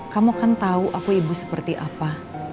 kamu kan tahu aku ibu seperti apa